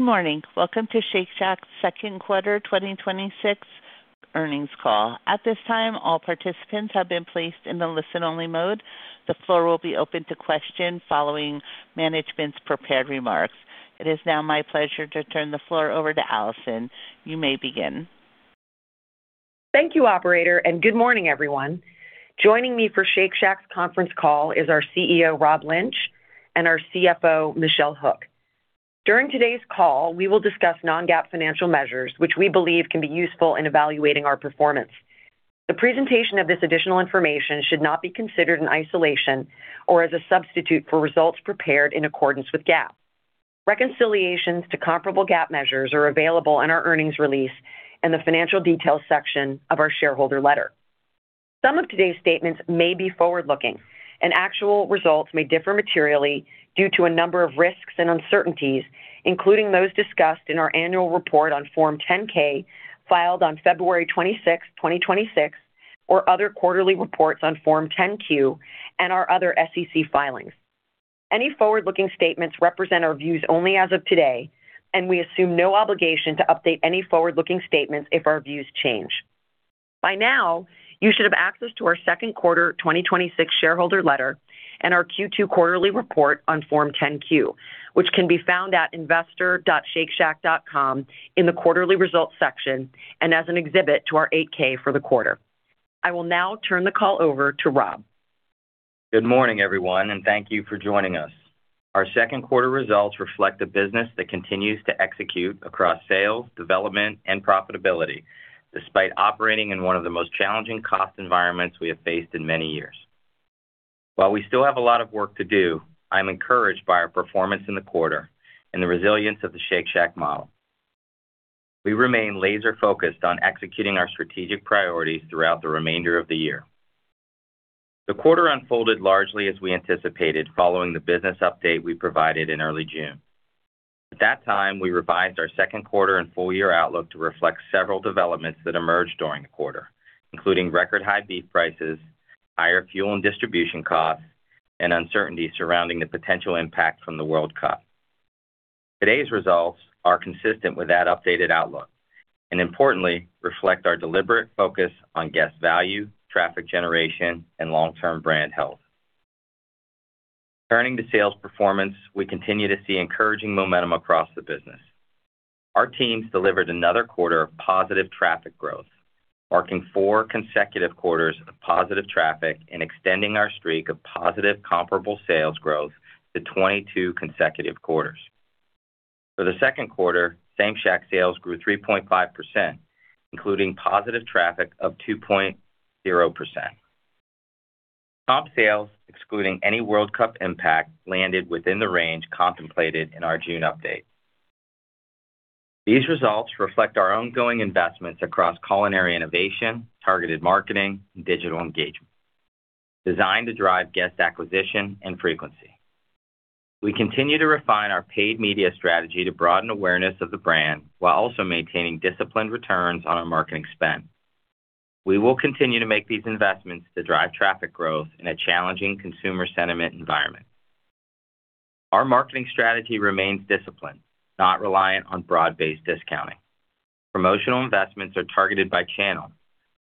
Good morning. Welcome to Shake Shack's second quarter 2026 earnings call. At this time, all participants have been placed in the listen-only mode. The floor will be open to questions following management's prepared remarks. It is now my pleasure to turn the floor over to Alison. You may begin. Thank you, operator, and good morning, everyone. Joining me for Shake Shack's conference call is our CEO, Rob Lynch, and our CFO, Michelle Hook. During today's call, we will discuss Non-GAAP financial measures, which we believe can be useful in evaluating our performance. The presentation of this additional information should not be considered in isolation or as a substitute for results prepared in accordance with GAAP. Reconciliations to comparable GAAP measures are available in our earnings release in the financial details section of our shareholder letter. Some of today's statements may be forward-looking, and actual results may differ materially due to a number of risks and uncertainties, including those discussed in our annual report on Form 10-K filed on February 26th, 2026, or other quarterly reports on Form 10-Q and our other SEC filings. Any forward-looking statements represent our views only as of today, and we assume no obligation to update any forward-looking statements if our views change. By now, you should have access to our second quarter 2026 shareholder letter and our Q2 quarterly report on Form 10-Q, which can be found at investor.shakeshack.com in the Quarterly Results section and as an exhibit to our 8-K for the quarter. I will now turn the call over to Rob. Good morning, everyone, and thank you for joining us. Our second quarter results reflect a business that continues to execute across sales, development, and profitability despite operating in one of the most challenging cost environments we have faced in many years. While we still have a lot of work to do, I'm encouraged by our performance in the quarter and the resilience of the Shake Shack model. We remain laser-focused on executing our strategic priorities throughout the remainder of the year. The quarter unfolded largely as we anticipated following the business update we provided in early June. At that time, we revised our second quarter and full-year outlook to reflect several developments that emerged during the quarter, including record high beef prices, higher fuel and distribution costs, and uncertainty surrounding the potential impact from the World Cup. Today's results are consistent with that updated outlook and importantly reflect our deliberate focus on guest value, traffic generation, and long-term brand health. Turning to sales performance, we continue to see encouraging momentum across the business. Our teams delivered another quarter of positive traffic growth, marking 4 consecutive quarters of positive traffic and extending our streak of positive comparable sales growth to 22 consecutive quarters. For the second quarter, Shake Shack sales grew 3.5%, including positive traffic of 2.0%. Comp sales, excluding any World Cup impact, landed within the range contemplated in our June update. These results reflect our ongoing investments across culinary innovation, targeted marketing, and digital engagement, designed to drive guest acquisition and frequency. We continue to refine our paid media strategy to broaden awareness of the brand while also maintaining disciplined returns on our marketing spend. We will continue to make these investments to drive traffic growth in a challenging consumer sentiment environment. Our marketing strategy remains disciplined, not reliant on broad-based discounting. Promotional investments are targeted by channel,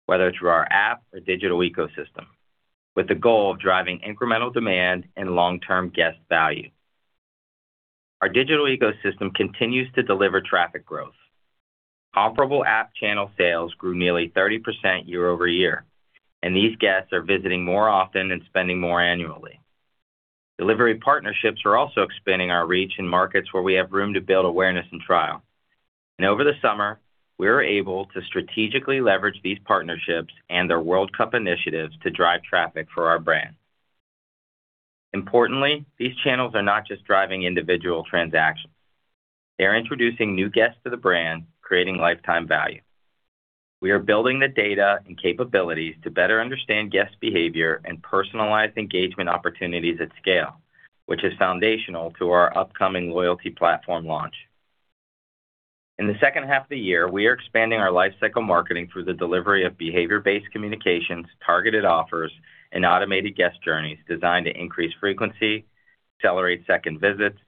whether through our app or digital ecosystem, with the goal of driving incremental demand and long-term guest value. Our digital ecosystem continues to deliver traffic growth. Comparable app channel sales grew nearly 30% year-over-year, and these guests are visiting more often and spending more annually. Delivery partnerships are also expanding our reach in markets where we have room to build awareness and trial. Over the summer, we were able to strategically leverage these partnerships and their World Cup initiatives to drive traffic for our brand. Importantly, these channels are not just driving individual transactions. They're introducing new guests to the brand, creating lifetime value. We are building the data and capabilities to better understand guest behavior and personalize engagement opportunities at scale, which is foundational to our upcoming loyalty platform launch. In the second half of the year, we are expanding our life cycle marketing through the delivery of behavior-based communications, targeted offers, and automated guest journeys designed to increase frequency, accelerate second visits,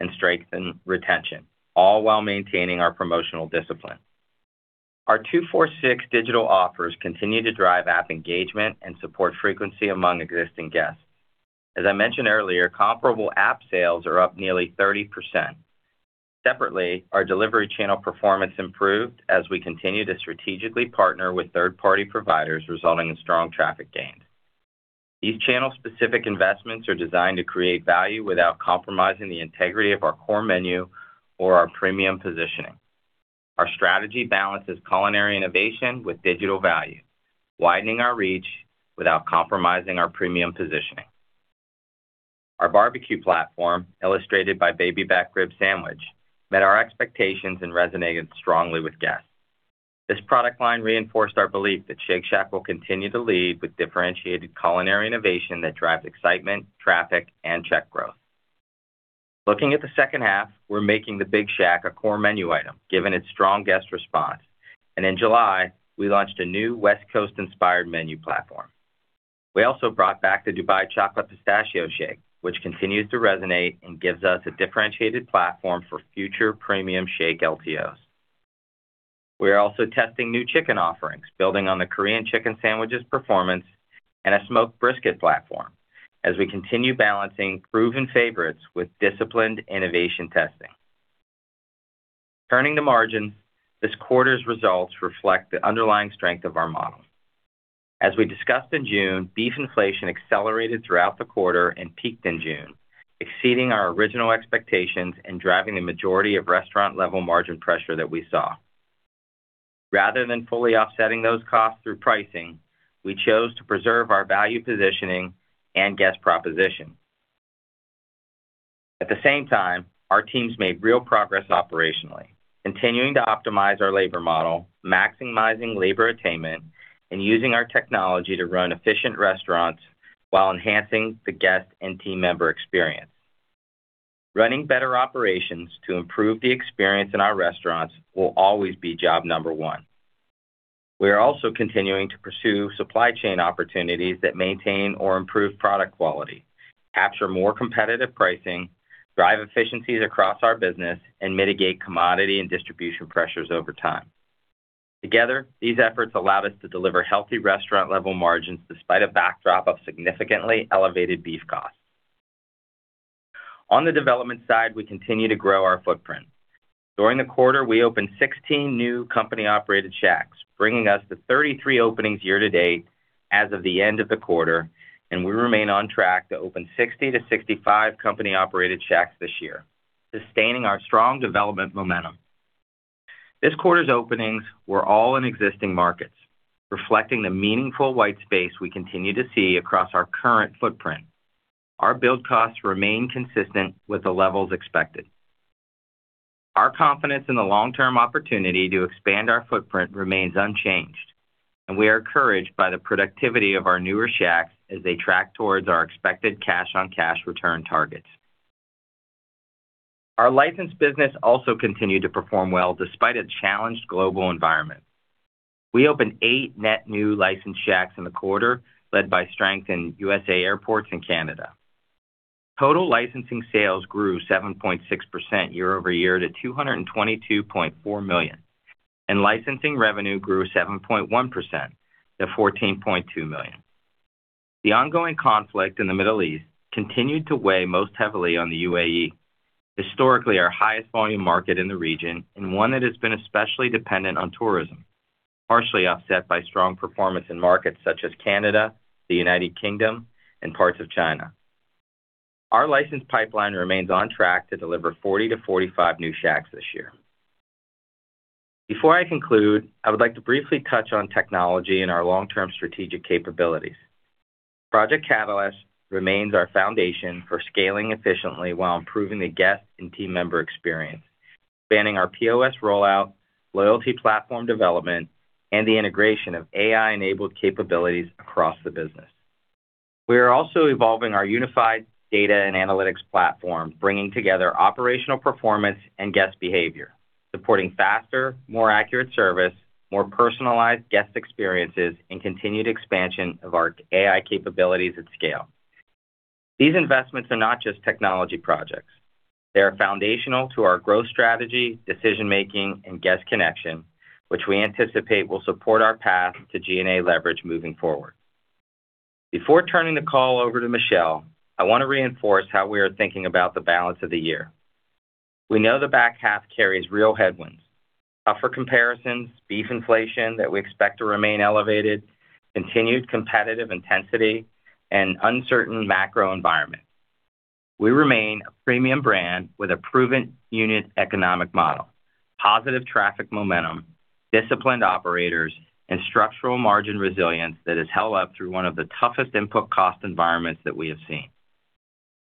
and strengthen retention, all while maintaining our promotional discipline. Our 2 4 6 digital offers continue to drive app engagement and support frequency among existing guests. As I mentioned earlier, comparable app sales are up nearly 30%. Separately, our delivery channel performance improved as we continue to strategically partner with third-party providers, resulting in strong traffic gains. These channel-specific investments are designed to create value without compromising the integrity of our core menu or our premium positioning. Our strategy balances culinary innovation with digital value, widening our reach without compromising our premium positioning. Our barbecue platform, illustrated by baby back rib sandwich, met our expectations and resonated strongly with guests. This product line reinforced our belief that Shake Shack will continue to lead with differentiated culinary innovation that drives excitement, traffic, and check growth. Looking at the second half, we're making the Big Shack a core menu item given its strong guest response. In July, we launched a new West Coast-inspired menu platform. We also brought back the Dubai Chocolate Pistachio Shake, which continues to resonate and gives us a differentiated platform for future premium shake LTOs. We are also testing new chicken offerings, building on the Korean chicken sandwich's performance and a smoked brisket platform as we continue balancing proven favorites with disciplined innovation testing. Turning to margin, this quarter's results reflect the underlying strength of our model. As we discussed in June, beef inflation accelerated throughout the quarter and peaked in June, exceeding our original expectations and driving the majority of restaurant-level margin pressure that we saw. Rather than fully offsetting those costs through pricing, we chose to preserve our value positioning and guest proposition. At the same time, our teams made real progress operationally, continuing to optimize our labor model, maximizing labor attainment, and using our technology to run efficient restaurants while enhancing the guest and team member experience. Running better operations to improve the experience in our restaurants will always be job number one. We are also continuing to pursue supply chain opportunities that maintain or improve product quality, capture more competitive pricing, drive efficiencies across our business, and mitigate commodity and distribution pressures over time. Together, these efforts allowed us to deliver healthy restaurant-level margins despite a backdrop of significantly elevated beef costs. On the development side, we continue to grow our footprint. During the quarter, we opened 16 new company-operated Shacks, bringing us to 33 openings year-to-date as of the end of the quarter, and we remain on track to open 60-65 company-operated Shacks this year, sustaining our strong development momentum. This quarter's openings were all in existing markets, reflecting the meaningful white space we continue to see across our current footprint. Our build costs remain consistent with the levels expected. Our confidence in the long-term opportunity to expand our footprint remains unchanged, and we are encouraged by the productivity of our newer Shacks as they track towards our expected cash-on-cash return targets. Our licensed business also continued to perform well despite a challenged global environment. We opened eight net new licensed Shacks in the quarter, led by strength in USA airports and Canada. Total licensing sales grew 7.6% year-over-year to $222.4 million, and licensing revenue grew 7.1% to $14.2 million. The ongoing conflict in the Middle East continued to weigh most heavily on the UAE, historically our highest volume market in the region and one that has been especially dependent on tourism, partially offset by strong performance in markets such as Canada, the United Kingdom and parts of China. Our licensed pipeline remains on track to deliver 40-45 new Shacks this year. Before I conclude, I would like to briefly touch on technology and our long-term strategic capabilities. Project Catalyst remains our foundation for scaling efficiently while improving the guest and team member experience, spanning our POS rollout, loyalty platform development, and the integration of AI-enabled capabilities across the business. We are also evolving our unified data and analytics platform, bringing together operational performance and guest behavior, supporting faster, more accurate service, more personalized guest experiences, and continued expansion of our AI capabilities at scale. These investments are not just technology projects. They are foundational to our growth strategy, decision-making, and guest connection, which we anticipate will support our path to G&A leverage moving forward. Before turning the call over to Michelle, I want to reinforce how we are thinking about the balance of the year. We know the back half carries real headwinds, tougher comparisons, beef inflation that we expect to remain elevated, continued competitive intensity, and uncertain macro environment. We remain a premium brand with a proven unit economic model, positive traffic momentum, disciplined operators, and structural margin resilience that has held up through one of the toughest input cost environments that we have seen.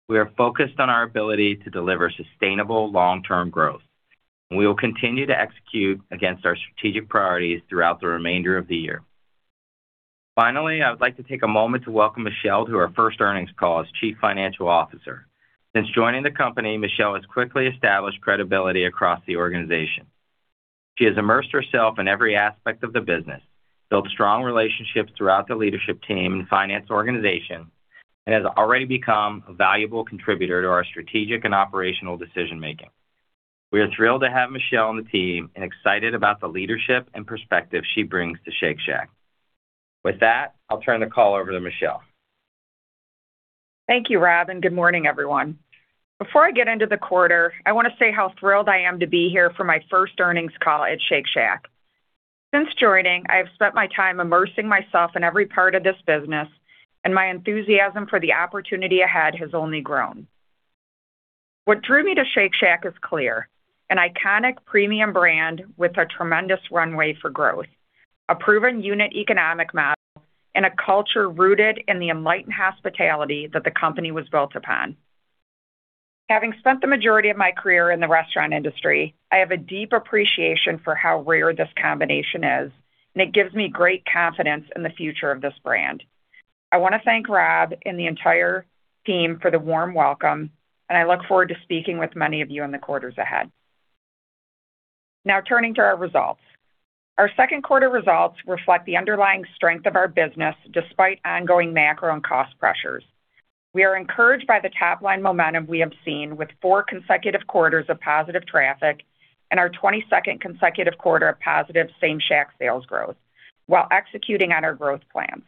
We are focused on our ability to deliver sustainable long-term growth; we will continue to execute against our strategic priorities throughout the remainder of the year. Finally, I would like to take a moment to welcome Michelle to her first earnings call as Chief Financial Officer. Since joining the company, Michelle has quickly established credibility across the organization. She has immersed herself in every aspect of the business, built strong relationships throughout the leadership team and finance organization, and has already become a valuable contributor to our strategic and operational decision-making. We are thrilled to have Michelle on the team and excited about the leadership and perspective she brings to Shake Shack. With that, I'll turn the call over to Michelle. Thank you, Rob. Good morning, everyone. Before I get into the quarter, I want to say how thrilled I am to be here for my first earnings call at Shake Shack. Since joining, I have spent my time immersing myself in every part of this business; my enthusiasm for the opportunity ahead has only grown. What drew me to Shake Shack is clear, an iconic premium brand with a tremendous runway for growth, a proven unit economic model, a culture rooted in the enlightened hospitality that the company was built upon. Having spent the majority of my career in the restaurant industry, I have a deep appreciation for how rare this combination is, it gives me great confidence in the future of this brand. I want to thank Rob and the entire team for the warm welcome, I look forward to speaking with many of you in the quarters ahead. Now turning to our results. Our second quarter results reflect the underlying strength of our business despite ongoing macro and cost pressures. We are encouraged by the top-line momentum we have seen with four consecutive quarters of positive traffic, our 22nd consecutive quarter of positive same Shack sales growth while executing on our growth plans.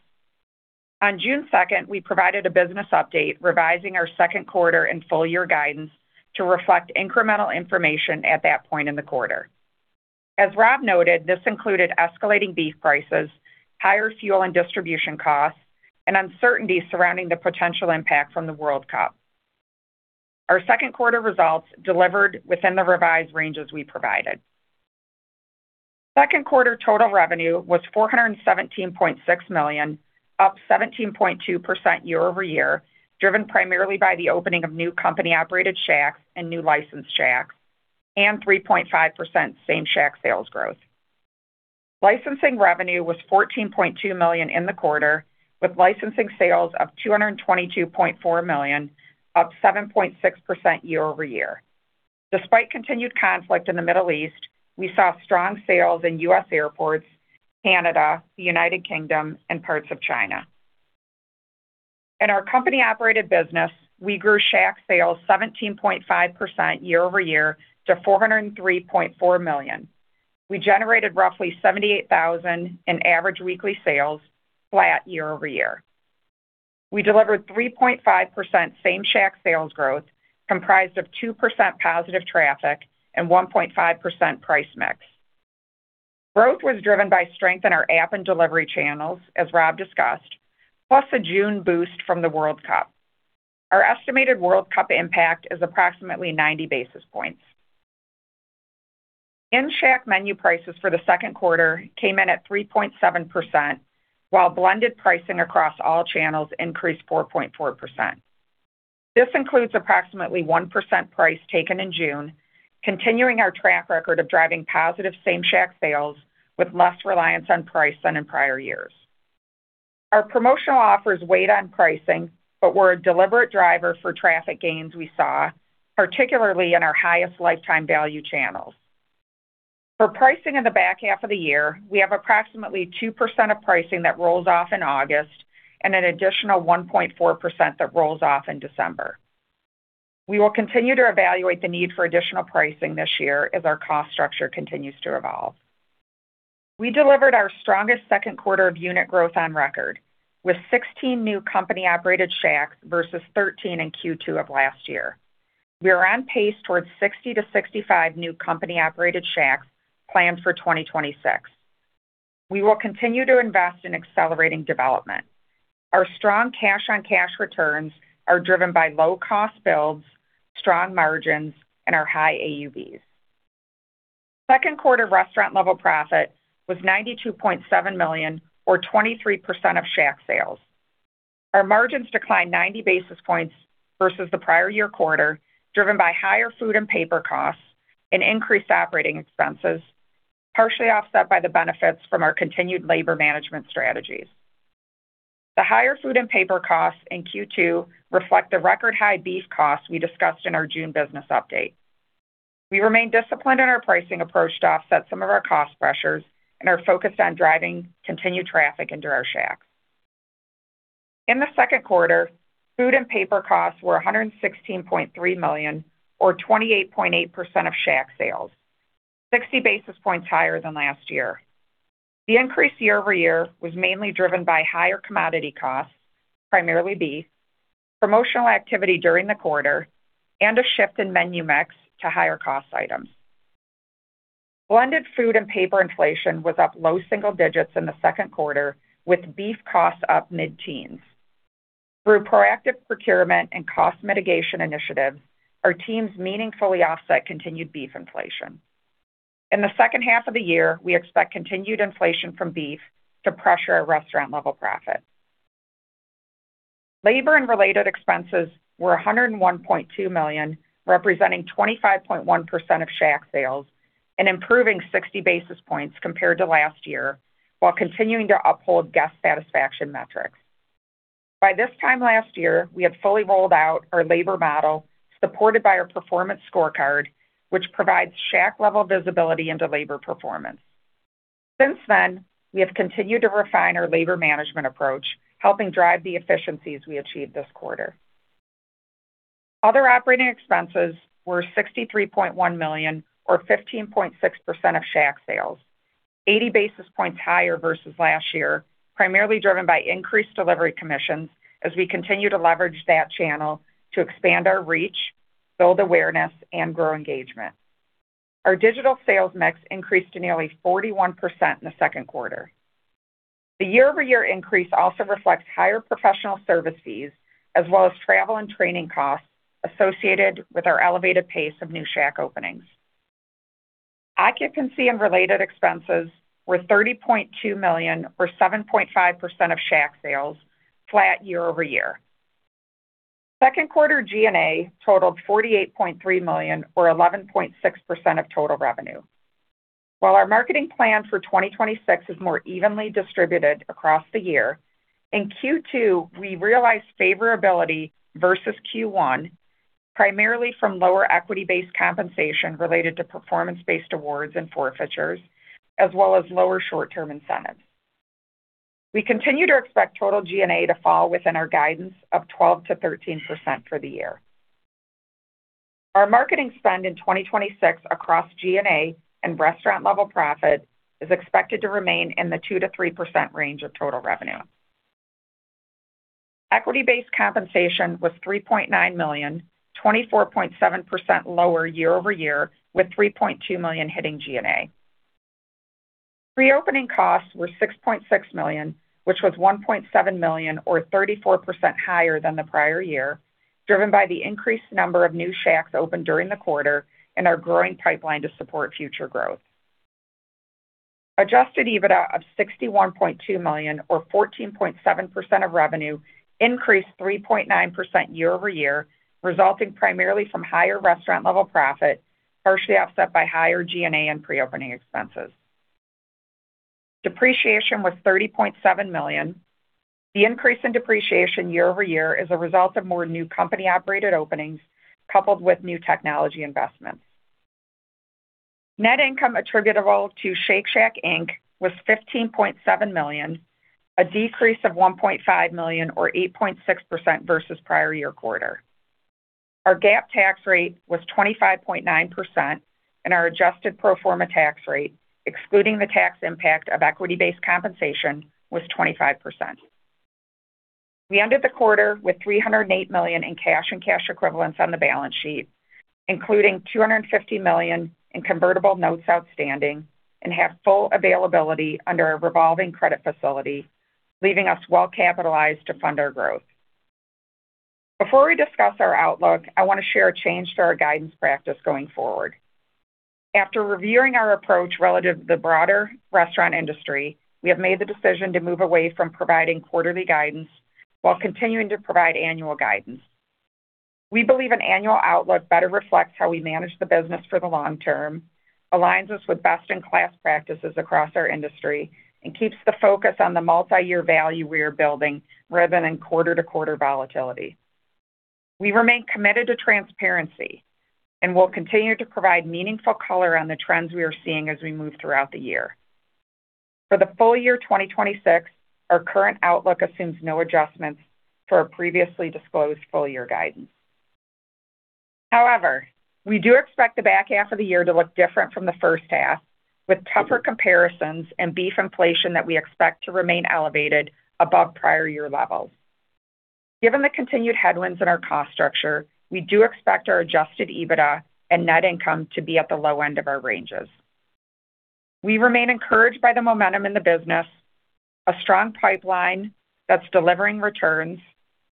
On June 2nd, we provided a business update revising our second quarter and full-year guidance to reflect incremental information at that point in the quarter. As Rob noted, this included escalating beef prices, higher fuel and distribution costs, uncertainty surrounding the potential impact from the World Cup. Our second quarter results delivered within the revised ranges we provided. Second quarter total revenue was $417.6 million, up 17.2% year-over-year, driven primarily by the opening of new company-operated Shacks, new licensed Shacks, 3.5% same Shack sales growth. Licensing revenue was $14.2 million in the quarter, with licensing sales of $222.4 million, up 7.6% year-over-year. Despite continued conflict in the Middle East, we saw strong sales in U.S. airports, Canada, the United Kingdom, parts of China. In our company-operated business, we grew Shack sales 17.5% year-over-year to $403.4 million. We generated roughly $78,000 in average weekly sales, flat year-over-year. We delivered 3.5% same Shack sales growth, comprised of 2% positive traffic, 1.5% price mix. Growth was driven by strength in our app and delivery channels, as Rob discussed, plus a June boost from the World Cup. Our estimated World Cup impact is approximately 90 basis points. In-Shack menu prices for the second quarter came in at 3.7%, while blended pricing across all channels increased 4.4%. This includes approximately 1% price taken in June, continuing our track record of driving positive same Shack sales with less reliance on price than in prior years. Our promotional offers weighed on pricing but were a deliberate driver for traffic gains we saw, particularly in our highest lifetime value channels. For pricing in the back half of the year, we have approximately 2% of pricing that rolls off in August and an additional 1.4% that rolls off in December. We will continue to evaluate the need for additional pricing this year as our cost structure continues to evolve. We delivered our strongest second quarter of unit growth on record with 16 new company-operated Shacks versus 13 in Q2 of last year. We are on pace towards 60-65 new company-operated Shacks planned for 2026. We will continue to invest in accelerating development. Our strong cash-on-cash returns are driven by low-cost builds, strong margins, and our high AUVs. Second quarter restaurant-level profit was $92.7 million, or 23% of Shack sales. Our margins declined 90 basis points versus the prior year quarter, driven by higher food and paper costs and increased operating expenses, partially offset by the benefits from our continued labor management strategies. The higher food and paper costs in Q2 reflect the record-high beef costs we discussed in our June business update. We remain disciplined in our pricing approach to offset some of our cost pressures and are focused on driving continued traffic into our Shacks. In the second quarter, food and paper costs were $116.3 million, or 28.8% of Shack sales, 60 basis points higher than last year. The increase year-over-year was mainly driven by higher commodity costs, primarily beef, promotional activity during the quarter, and a shift in menu mix to higher cost items. Blended food and paper inflation was up low single digits in the second quarter, with beef costs up mid-teens. Through proactive procurement and cost mitigation initiatives, our teams meaningfully offset continued beef inflation. In the second half of the year, we expect continued inflation from beef to pressure our restaurant level profit. Labor and related expenses were $101.2 million, representing 25.1% of Shack sales and improving 60 basis points compared to last year while continuing to uphold guest satisfaction metrics. By this time last year, we had fully rolled out our labor model supported by our performance scorecard, which provides Shack level visibility into labor performance. Since then, we have continued to refine our labor management approach, helping drive the efficiencies we achieved this quarter. Other operating expenses were $63.1 million, or 15.6% of Shack sales, 80 basis points higher versus last year, primarily driven by increased delivery commissions as we continue to leverage that channel to expand our reach, build awareness, and grow engagement. Our digital sales mix increased to nearly 41% in the second quarter. The year-over-year increase also reflects higher professional service fees as well as travel and training costs associated with our elevated pace of new Shack openings. Occupancy and related expenses were $30.2 million, or 7.5% of Shack sales, flat year-over-year. Second quarter G&A totaled $48.3 million, or 11.6% of total revenue. While our marketing plan for 2026 is more evenly distributed across the year, in Q2, we realized favorability versus Q1, primarily from lower equity-based compensation related to performance-based awards and forfeitures, as well as lower short-term incentives. We continue to expect total G&A to fall within our guidance of 12%-13% for the year. Our marketing spend in 2026 across G&A and restaurant-level profit is expected to remain in the 2%-3% range of total revenue. Equity-based compensation was $3.9 million, 24.7% lower year-over-year, with $3.2 million hitting G&A. Pre-opening costs were $6.6 million, which was $1.7 million or 34% higher than the prior year, driven by the increased number of new Shacks opened during the quarter and our growing pipeline to support future growth. Adjusted EBITDA of $61.2 million, or 14.7% of revenue, increased 3.9% year-over-year, resulting primarily from higher restaurant-level profit, partially offset by higher G&A and pre-opening expenses. Depreciation was $30.7 million. The increase in depreciation year-over-year is a result of more new company-operated openings, coupled with new technology investments. Net income attributable to Shake Shack Inc. was $15.7 million, a decrease of $1.5 million, or 8.6%, versus the prior year quarter. Our GAAP tax rate was 25.9%, and our adjusted pro forma tax rate, excluding the tax impact of equity-based compensation, was 25%. We ended the quarter with $308 million in cash and cash equivalents on the balance sheet, including $250 million in convertible notes outstanding, and have full availability under a revolving credit facility, leaving us well capitalized to fund our growth. Before we discuss our outlook, I want to share a change to our guidance practice going forward. After reviewing our approach relative to the broader restaurant industry, we have made the decision to move away from providing quarterly guidance while continuing to provide annual guidance. We believe an annual outlook better reflects how we manage the business for the long term, aligns us with best-in-class practices across our industry, and keeps the focus on the multi-year value we are building rather than in quarter-to-quarter volatility. We remain committed to transparency and will continue to provide meaningful color on the trends we are seeing as we move throughout the year. For the full year 2026, our current outlook assumes no adjustments to our previously disclosed full-year guidance. However, we do expect the back half of the year to look different from the first half, with tougher comparisons and beef inflation that we expect to remain elevated above prior year levels. Given the continued headwinds in our cost structure, we do expect our adjusted EBITDA and net income to be at the low end of our ranges. We remain encouraged by the momentum in the business, a strong pipeline that's delivering returns,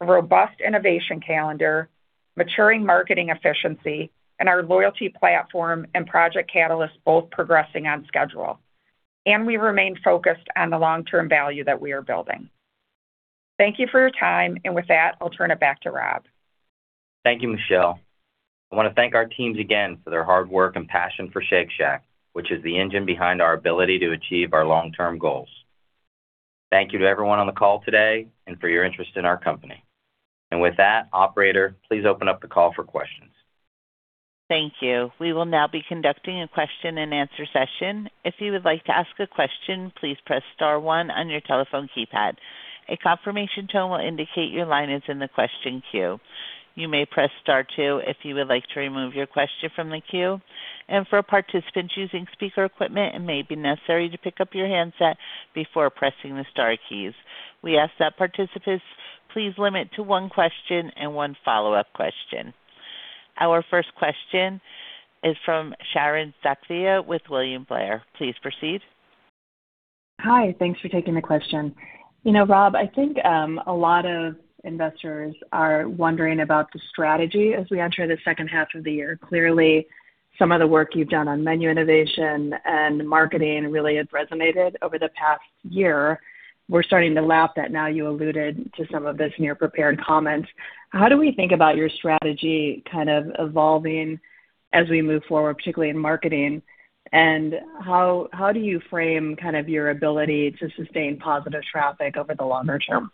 a robust innovation calendar, maturing marketing efficiency, and our loyalty platform and Project Catalyst both progressing on schedule. We remain focused on the long-term value that we are building. Thank you for your time, and with that, I'll turn it back to Rob. Thank you, Michelle. I want to thank our teams again for their hard work and passion for Shake Shack, which is the engine behind our ability to achieve our long-term goals. Thank you to everyone on the call today and for your interest in our company. With that, operator, please open up the call for questions. Thank you. We will now be conducting a question and answer session. If you would like to ask a question, please press star one on your telephone keypad. A confirmation tone will indicate your line is in the question queue. You may press star two if you would like to remove your question from the queue. For participants using speaker equipment, it may be necessary to pick up your handset before pressing the star keys. We ask that participants please limit to one question and one follow-up question. Our first question is from Sharon Zackfia with William Blair. Please proceed. Hi. Thanks for taking the question. Rob, I think a lot of investors are wondering about the strategy as we enter the second half of the year. Clearly, some of the work you've done on menu innovation and marketing really has resonated over the past year. We're starting to lap that now. You alluded to some of this in your prepared comments. How do we think about your strategy kind of evolving as we move forward, particularly in marketing? How do you frame your ability to sustain positive traffic over the longer term?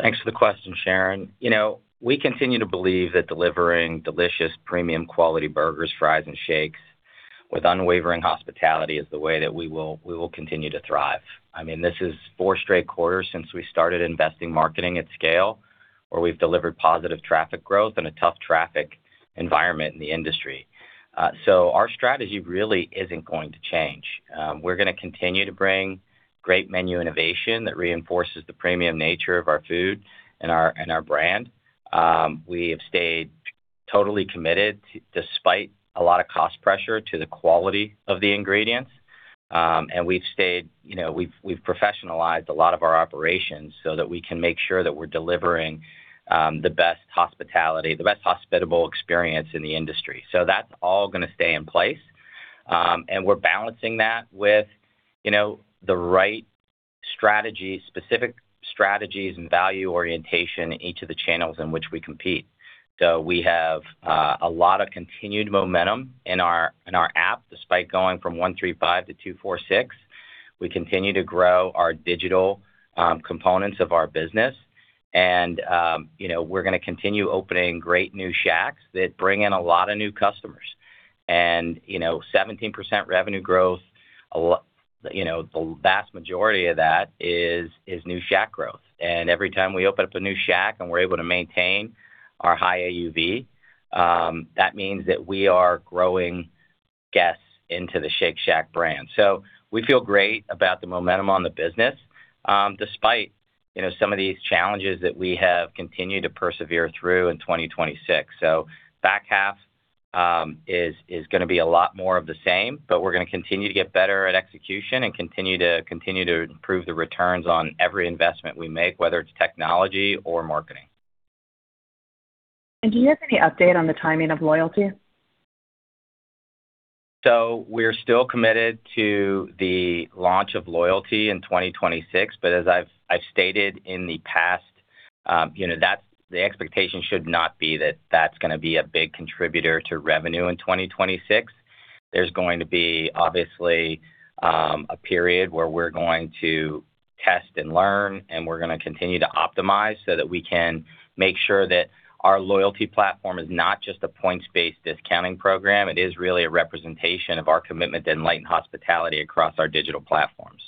Thanks for the question, Sharon. We continue to believe that delivering delicious, premium-quality burgers, fries, and shakes with unwavering hospitality is the way that we will continue to thrive. This is four straight quarters since we started investing marketing at scale, where we've delivered positive traffic growth in a tough traffic environment in the industry. Our strategy really isn't going to change. We're going to continue to bring great menu innovation that reinforces the premium nature of our food and our brand. We have stayed totally committed, despite a lot of cost pressure, to the quality of the ingredients. We've professionalized a lot of our operations so that we can make sure that we're delivering the best hospitable experience in the industry. That's all going to stay in place. We're balancing that with the right strategy, specific strategies and value orientation in each of the channels in which we compete. We have a lot of continued momentum in our app despite going from 135-246. We continue to grow our digital components of our business. We're going to continue opening great new Shacks that bring in a lot of new customers. 17% revenue growth; the vast majority of that is new Shack growth. Every time we open up a new Shack and we're able to maintain our high AUV, that means that we are growing guests into the Shake Shack brand. We feel great about the momentum on the business, despite some of these challenges that we have continued to persevere through in 2026. Back half is going to be a lot more of the same, but we're going to continue to get better at execution and continue to improve the returns on every investment we make, whether it's technology or marketing. Do you have any update on the timing of loyalty? We're still committed to the launch of loyalty in 2026, but as I've stated in the past, the expectation should not be that that's going to be a big contributor to revenue in 2026. There's going to be, obviously, a period where we're going to test and learn, and we're going to continue to optimize so that we can make sure that our loyalty platform is not just a points-based discounting program. It is really a representation of our commitment to enlightened hospitality across our digital platforms.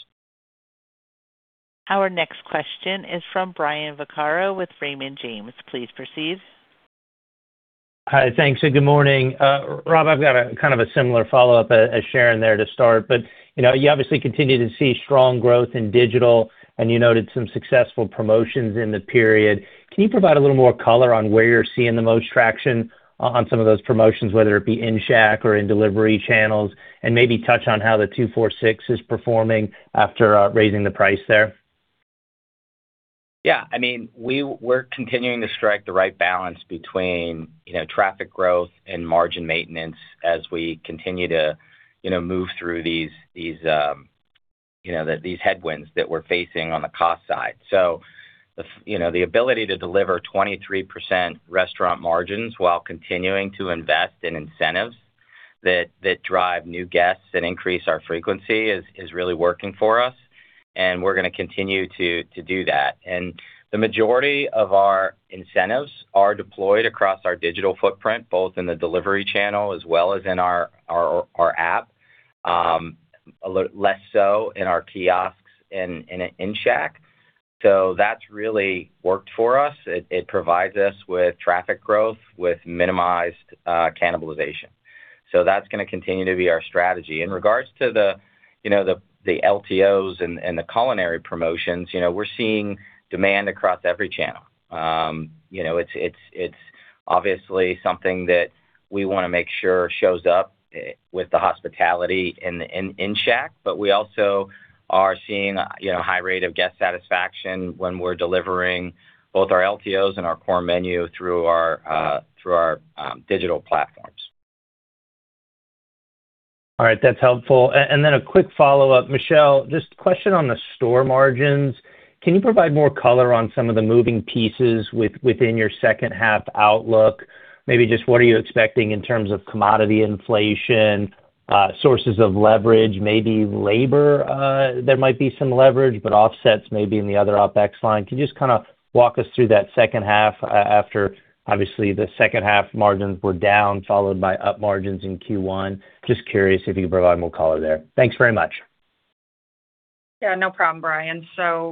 Our next question is from Brian Vaccaro with Raymond James. Please proceed. Hi. Thanks, and good morning. Rob, I've got a kind of a similar follow-up as Sharon there to start. You obviously continue to see strong growth in digital, and you noted some successful promotions in the period. Can you provide a little more color on where you're seeing the most traction on some of those promotions, whether it be in Shack or in delivery channels? Maybe touch on how the 246 is performing after raising the price there. Yeah. We're continuing to strike the right balance between traffic growth and margin maintenance as we continue to move through these headwinds that we're facing on the cost side. The ability to deliver 23% restaurant margins while continuing to invest in incentives that drive new guests and increase our frequency is really working for us, and we're going to continue to do that. The majority of our incentives are deployed across our digital footprint, both in the delivery channel as well as in our app, a little less so in our kiosks in Shack. That's really worked for us. It provides us with traffic growth with minimized cannibalization. That's going to continue to be our strategy. In regards to the LTOs and the culinary promotions, we're seeing demand across every channel. It's obviously something that we want to make sure shows up with the hospitality in Shack. We also are seeing a high rate of guest satisfaction when we're delivering both our LTOs and our core menu through our digital platforms. That's helpful. A quick follow-up. Michelle, just a question on the store margins. Can you provide more color on some of the moving pieces within your second half outlook? Maybe just what are you expecting in terms of commodity inflation, sources of leverage, maybe labor? There might be some leverage but offsets maybe in the other OpEx line. Can you just kind of walk us through that second half, after, obviously, the second half margins were down, followed by up margins in Q1? Just curious if you can provide more color there. Thanks very much. Yeah, no problem, Brian.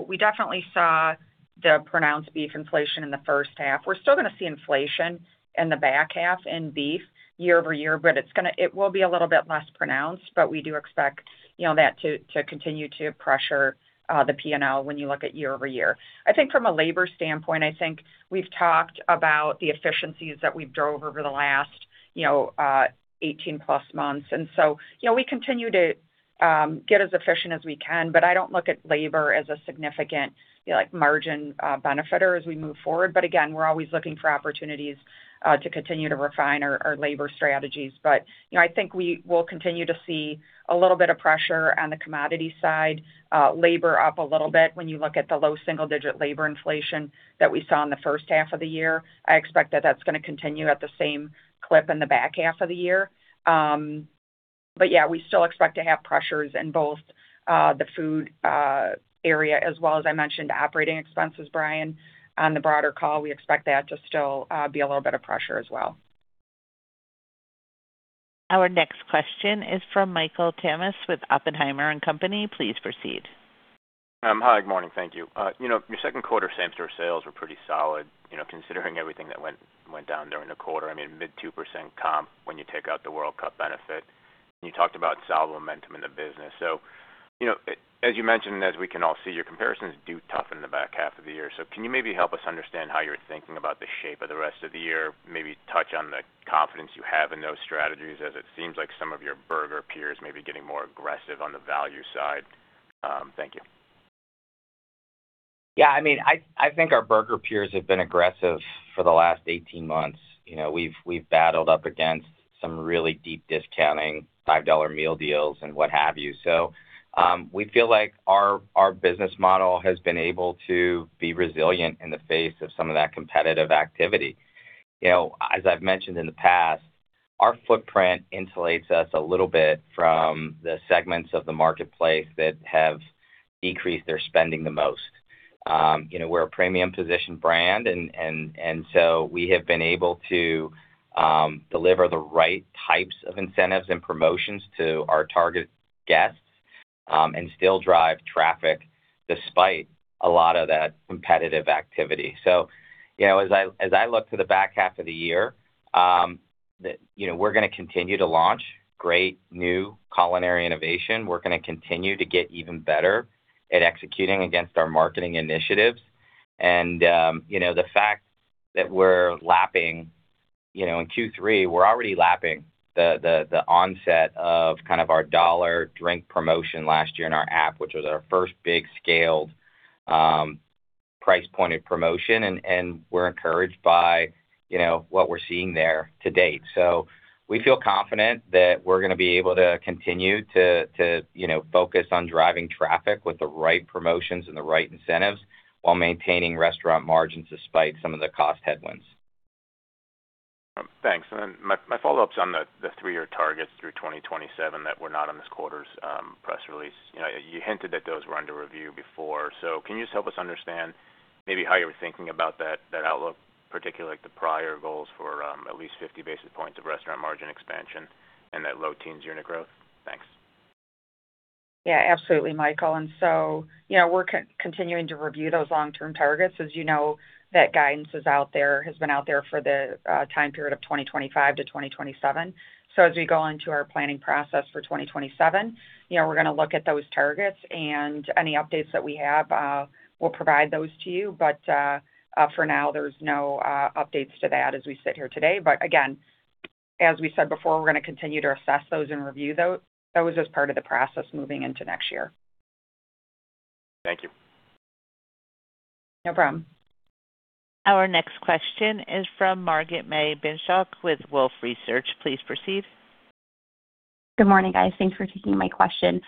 We definitely saw the pronounced beef inflation in the first half. We're still going to see inflation in the back half in beef year-over-year, but it will be a little bit less pronounced. We do expect that to continue to pressure the P&L when you look at year-over-year. I think from a labor standpoint, I think we've talked about the efficiencies that we've drove over the last 18+ months. We continue to get as efficient as we can, but I don't look at labor as a significant margin benefiter as we move forward. Again, we're always looking for opportunities to continue to refine our labor strategies. I think we will continue to see a little bit of pressure on the commodity side, labor up a little bit. When you look at the low single-digit labor inflation that we saw in the first half of the year, I expect that that's going to continue at the same clip in the back half of the year. Yeah, we still expect to have pressures in both the food area as well as I mentioned, operating expenses, Brian, on the broader call. We expect that to still be a little bit of pressure as well. Our next question is from Michael Tamas with Oppenheimer & Co.. Please proceed. Hi, good morning. Thank you. Your second quarter same-store sales were pretty solid, considering everything that went down during the quarter. Mid 2% comp when you take out the World Cup benefit, and you talked about solid momentum in the business. As you mentioned, as we can all see, your comparisons do toughen in the back half of the year. Can you maybe help us understand how you're thinking about the shape of the rest of the year? Maybe touch on the confidence you have in those strategies, as it seems like some of your burger peers may be getting more aggressive on the value side. Thank you. Yeah, I think our burger peers have been aggressive for the last 18 months. We've battled up against some really deep discounting, $5 meal deals, and what have you. We feel like our business model has been able to be resilient in the face of some of that competitive activity. As I've mentioned in the past, our footprint insulates us a little bit from the segments of the marketplace that have decreased their spending the most. We're a premium positioned brand; we have been able to deliver the right types of incentives and promotions to our target guests, and still drive traffic despite a lot of that competitive activity. As I look to the back half of the year, we're going to continue to launch great new culinary innovation. We're going to continue to get even better at executing against our marketing initiatives. The fact that we're lapping in Q3, we're already lapping the onset of our dollar drink promotion last year in our app, which was our first big scaled price pointed promotion, and we're encouraged by what we're seeing there to date. We feel confident that we're going to be able to continue to focus on driving traffic with the right promotions and the right incentives while maintaining restaurant margins despite some of the cost headwinds. Thanks. My follow-up's on the three-year targets through 2027 that were not on this quarter's press release. You hinted that those were under review before, can you just help us understand maybe how you were thinking about that outlook, particularly like the prior goals for at least 50 basis points of restaurant margin expansion and that low teens unit growth? Thanks. Yeah, absolutely Michael. We're continuing to review those long-term targets. As you know, that guidance has been out there for the time period of 2025 to 2027. As we go into our planning process for 2027, we're going to look at those targets, and any updates that we have, we'll provide those to you. For now, there's no updates to that as we sit here today. Again, as we said before, we're going to continue to assess those and review those. That was just part of the process moving into next year. Thank you. No problem. Our next question is from Margaret-May Binshtok with Wolfe Research. Please proceed. Good morning, guys. Thanks for taking my question.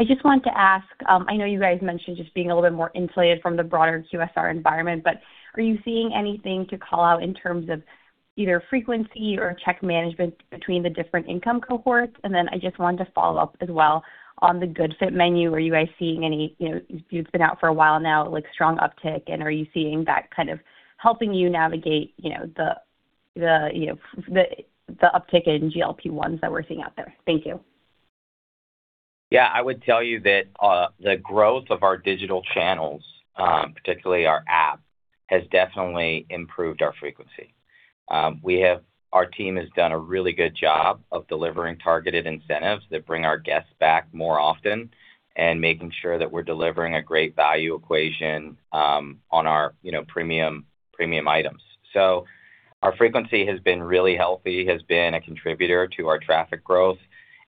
I just wanted to ask, I know you guys mentioned just being a little bit more insulated from the broader QSR environment; are you seeing anything to call out in terms of either frequency or check management between the different income cohorts? I just wanted to follow up as well on the Good Fit Menu. Are you guys seeing any? It's been out for a while now, like strong uptick, and are you seeing that kind of helping you navigate the uptick in GLP-1s that we're seeing out there? Thank you. Yeah, I would tell you that the growth of our digital channels, particularly our app, has definitely improved our frequency. Our team has done a really good job of delivering targeted incentives that bring our guests back more often and making sure that we're delivering a great value equation on our premium items. Our frequency has been really healthy, has been a contributor to our traffic growth,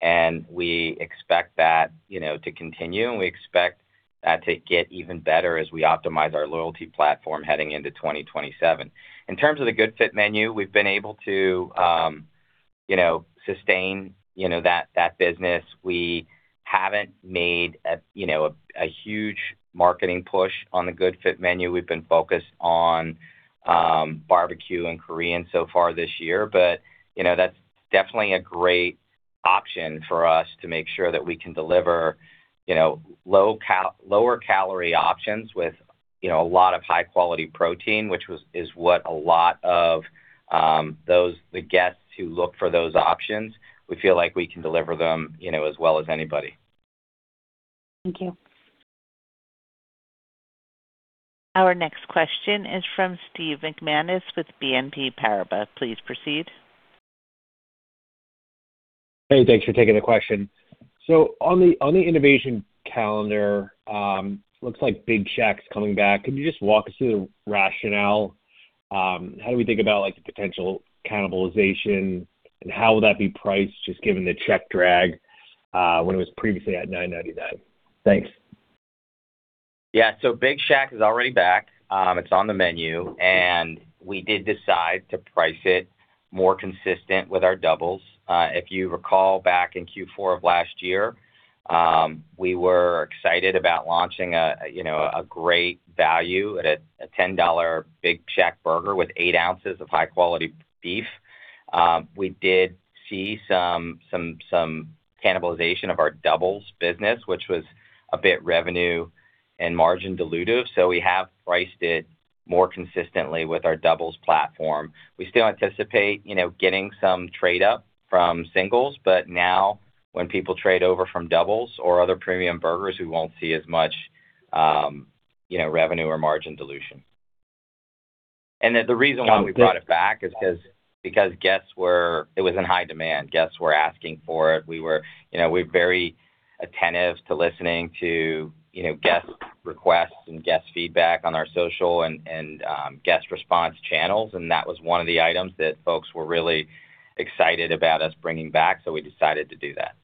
and we expect that to continue, and we expect that to get even better as we optimize our loyalty platform heading into 2027. In terms of the Good Fit Menu, we've been able to sustain that business. We haven't made a huge marketing push on the Good Fit Menu. We've been focused on barbecue and Korean so far this year. That's definitely a great option for us to make sure that we can deliver lower calorie options with a lot of high-quality protein, which is what a lot of the guests who look for those options, we feel like we can deliver them as well as anybody. Thank you. Our next question is from Steve McManus with BNP Paribas. Please proceed. Hey, thanks for taking the question. On the innovation calendar, looks like Big Shack's coming back. Could you just walk us through the rationale? How do we think about the potential cannibalization, and how will that be priced just given the check drag when it was previously at $9.99? Thanks. Big Shack is already back. It's on the menu; we did decide to price it more consistent with our doubles. If you recall, back in Q4 of last year, we were excited about launching a great value at a $10 Big Shack burger with eight ounces of high-quality beef. We did see some cannibalization of our doubles business, which was a bit revenue and margin dilutive. We have priced it more consistently with our doubles platform. We still anticipate getting some trade-up from singles, but now when people trade over from doubles or other premium burgers, we won't see as much revenue or margin dilution. The reason why we brought it back is because it was in high demand. Guests were asking for it. We're very attentive to listening to guest requests and guest feedback on our social and guest response channels; that was one of the items that folks were really excited about us bringing back. We decided to do that.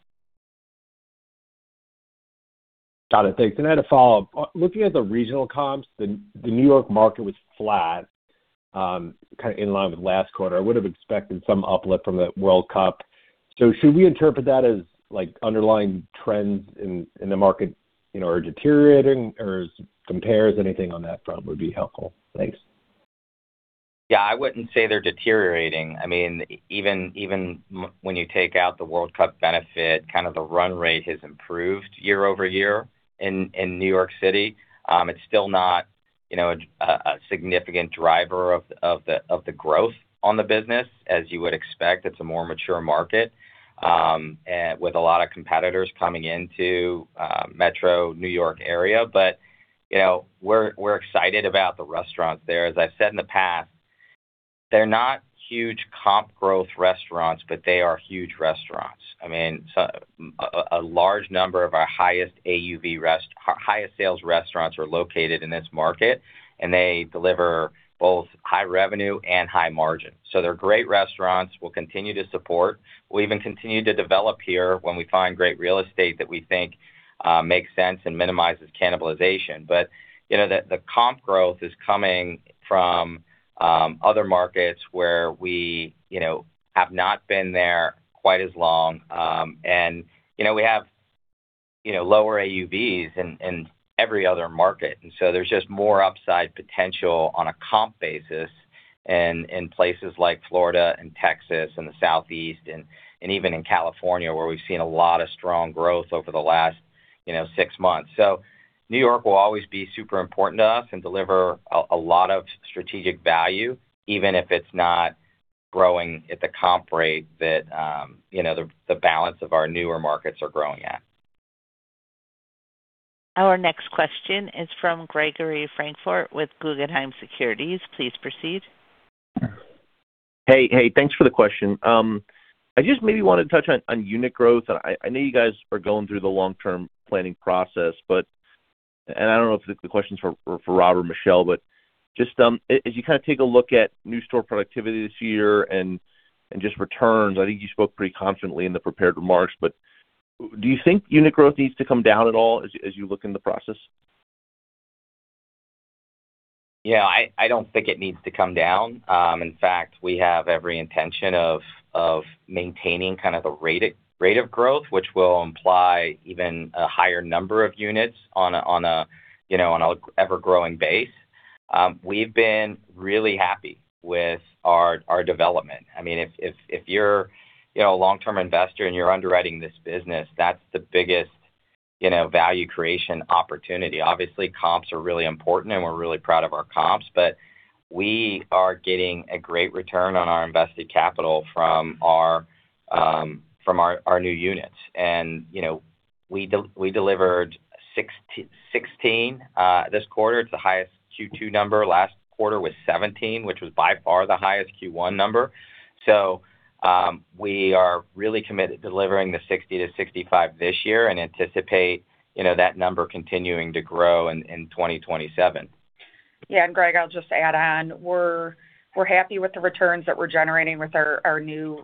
Got it. Thanks. I had a follow-up. Looking at the regional comps, the New York market was flat, kind of in line with last quarter. I would have expected some uplift from the World Cup. Should we interpret that as underlying trends in the market are deteriorating or compare, as anything on that front would be helpful? Thanks. I wouldn't say they're deteriorating. Even when you take out the World Cup benefit, kind of the run rate has improved year-over-year in New York City. It's still not a significant driver of the growth on the business, as you would expect. It's a more mature market, with a lot of competitors coming into Metro New York area. We're excited about the restaurants there. As I've said in the past, they're not huge comp growth restaurants, but they are huge restaurants. A large number of our highest AUV highest sales restaurants are located in this market, and they deliver both high revenue and high margin. They're great restaurants; we'll continue to support. We'll even continue to develop here when we find great real estate that we think makes sense and minimizes cannibalization. The comp growth is coming from other markets where we have not been there quite as long. We have lower AUVs in every other market. There's just more upside potential on a comp basis in places like Florida and Texas and the Southeast and even in California, where we've seen a lot of strong growth over the last six months. New York will always be super important to us and deliver a lot of strategic value, even if it's not growing at the comp rate that the balance of our newer markets are growing at. Our next question is from Gregory Francfort with Guggenheim Securities. Please proceed. Hey. Thanks for the question. I just want to touch on unit growth. I know you guys are going through the long-term planning process. I don't know if the question's for Rob or Michelle, just as you take a look at new store productivity this year and just returns, I think you spoke pretty confidently in the prepared remarks, but do you think unit growth needs to come down at all as you look in the process? Yeah, I don't think it needs to come down. In fact, we have every intention of maintaining the rate of growth, which will imply even a higher number of units on an ever-growing base. We've been really happy with our development. If you're a long-term investor and you're underwriting this business, that's the biggest value creation opportunity. Obviously, comps are really important, and we're really proud of our comps, but we are getting a great return on our invested capital from our new units. We delivered 16 this quarter. It's the highest Q2 number. Last quarter was 17, which was by far the highest Q1 number. We are really committed delivering the 60-65 this year and anticipate that number continuing to grow in 2027. Yeah, Greg, I'll just add on. We're happy with the returns that we're generating with our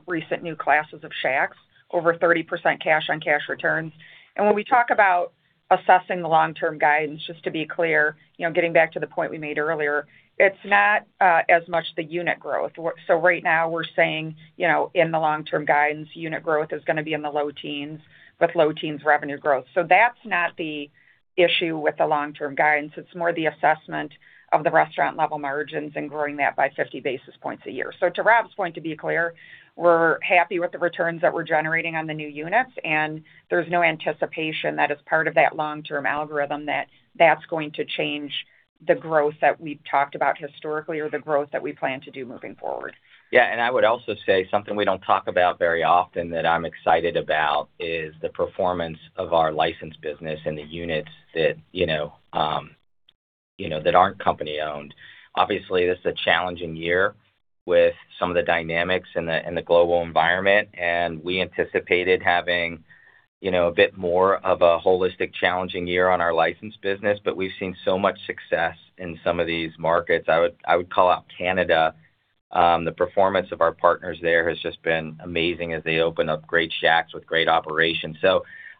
recent new classes of Shacks, over 30% cash on cash returns. When we talk about assessing the long-term guidance, just to be clear, getting back to the point we made earlier, it's not as much the unit growth. Right now we're saying, in the long-term guidance, unit growth is going to be in the low teens with low teens revenue growth. That's not the issue with the long-term guidance. It's more the assessment of the restaurant-level margins and growing that by 50 basis points a year. To Rob's point, to be clear, we're happy with the returns that we're generating on the new units, and there's no anticipation that as part of that long-term algorithm, that that's going to change the growth that we've talked about historically or the growth that we plan to do moving forward. Yeah. I would also say something we don't talk about very often that I'm excited about is the performance of our licensed business and the units that aren't company-owned. Obviously, this is a challenging year with some of the dynamics in the global environment. We anticipated having a bit more of a holistic, challenging year on our licensed business. We've seen so much success in some of these markets. I would call out Canada. The performance of our partners there has just been amazing as they open up great Shacks with great operations.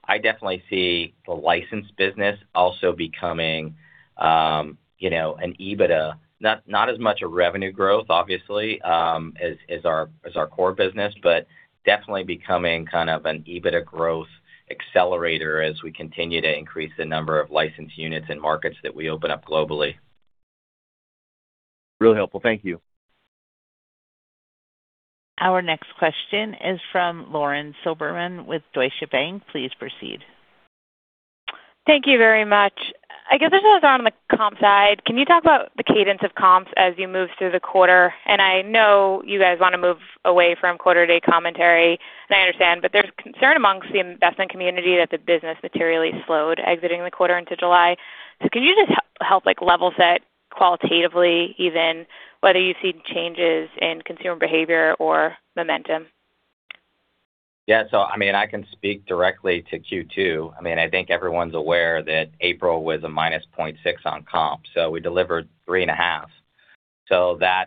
I definitely see the licensed business also becoming an EBITDA. Not as much a revenue growth, obviously, as our core business, but definitely becoming kind of an EBITDA growth accelerator as we continue to increase the number of licensed units and markets that we open up globally. Really helpful. Thank you. Our next question is from Lauren Silberman with Deutsche Bank. Please proceed. Thank you very much. I guess this is on the comp side. Can you talk about the cadence of comps as you move through the quarter? I know you guys want to move away from quarter-to-date commentary, and I understand. There's concern amongst the investment community that the business materially slowed exiting the quarter into July. Can you just help like level set qualitatively even whether you see changes in consumer behavior or momentum? I can speak directly to Q2. I think everyone's aware that April was a negative 0.6% on comp. We delivered 3.5%.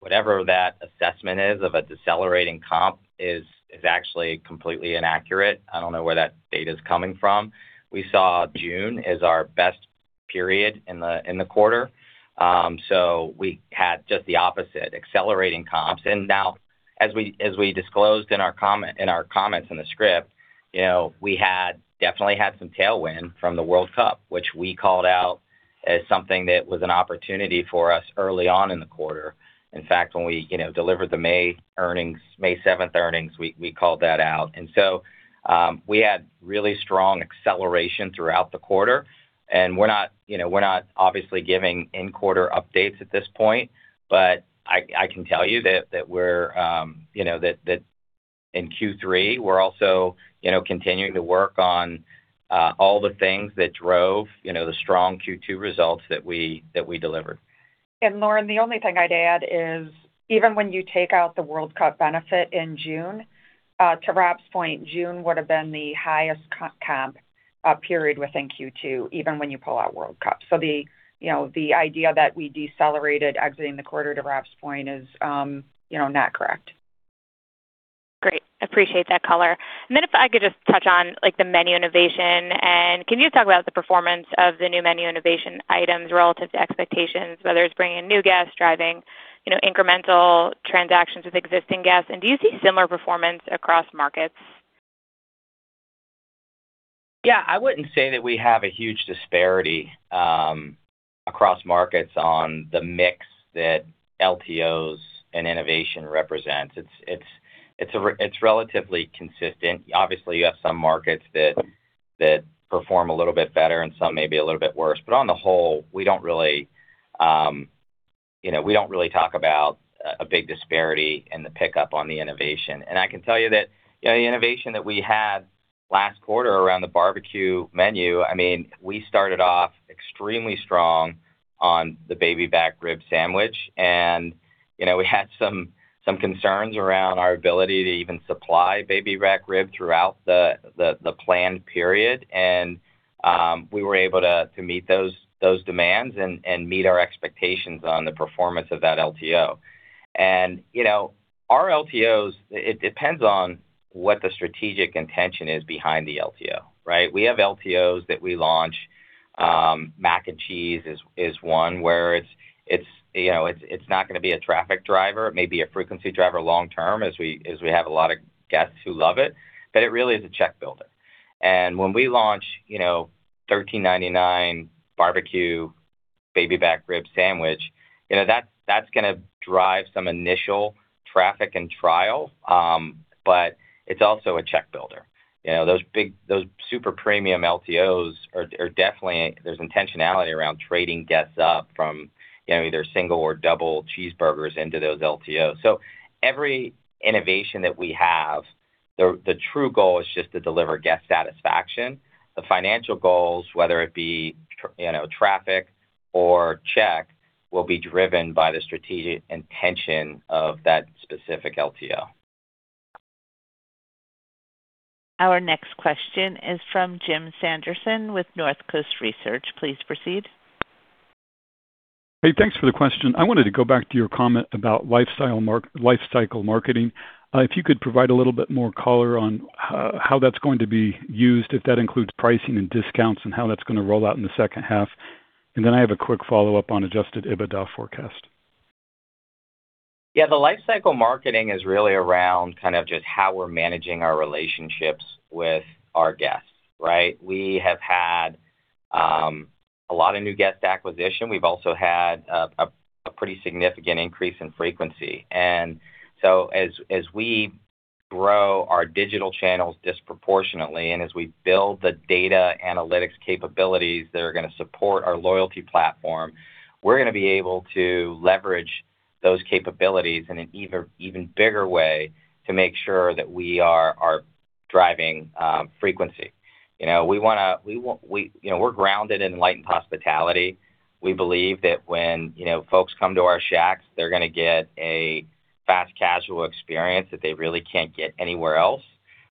Whatever that assessment is of a decelerating comp is actually completely inaccurate. I don't know where that data's coming from. We saw June as our best period in the quarter. We had just the opposite, accelerating comps. As we disclosed in our comments in the script, we had definitely had some tailwind from the World Cup, which we called out as something that was an opportunity for us early on in the quarter. In fact, when we delivered the May 7th earnings, we called that out. We had really strong acceleration throughout the quarter. We're not obviously giving in-quarter updates at this point, I can tell you that in Q3, we're also continuing to work on all the things that drove the strong Q2 results that we delivered. Lauren, the only thing I'd add is even when you take out the World Cup benefit in June, to Raf's point, June would've been the highest comp period within Q2, even when you pull out World Cup. The idea that we decelerated exiting the quarter, to Raf's point, is not correct. Great. Appreciate that color. If I could just touch on the menu innovation, can you talk about the performance of the new menu innovation items relative to expectations, whether it's bringing in new guests, driving incremental transactions with existing guests? Do you see similar performance across markets? I wouldn't say that we have a huge disparity across markets on the mix that LTOs and innovation represents. It's relatively consistent. Obviously, you have some markets that perform a little bit better and some may be a little bit worse, but on the whole, we don't really talk about a big disparity in the pickup on the innovation. I can tell you that the innovation that we had last quarter around the barbecue menu, we started off extremely strong on the Baby Back Rib Sandwich, and we had some concerns around our ability to even supply Baby Back Rib throughout the planned period, and we were able to meet those demands and meet our expectations on the performance of that LTO. Our LTOs, it depends on what the strategic intention is behind the LTO, right? We have LTOs that we launch, Mac & Cheese is one where it's not going to be a traffic driver. It may be a frequency driver long-term as we have a lot of guests who love it, but it really is a check builder. When we launch $13.99 Barbecue Baby Back Rib Sandwich, that's going to drive some initial traffic and trial, but it's also a check builder. Those super premium LTOs, there's intentionality around trading guests up from either single or double cheeseburgers into those LTOs. Every innovation that we have, the true goal is just to deliver guest satisfaction. The financial goals, whether it be traffic or check, will be driven by the strategic intention of that specific LTO. Our next question is from Jim Sanderson with Northcoast Research. Please proceed. Hey, thanks for the question. I wanted to go back to your comment about lifecycle marketing. If you could provide a little bit more color on how that's going to be used, if that includes pricing and discounts, and how that's going to roll out in the second half. Then I have a quick follow-up on adjusted EBITDA forecast. The lifecycle marketing is really around just how we're managing our relationships with our guests, right? We have had a lot of new guest acquisition. We've also had a pretty significant increase in frequency. As we grow our digital channels disproportionately, and as we build the data analytics capabilities that are going to support our loyalty platform, we're going to be able to leverage those capabilities in an even bigger way to make sure that we are driving frequency. We're grounded in enlightened hospitality. We believe that when folks come to our Shacks, they're going to get a fast casual experience that they really can't get anywhere else.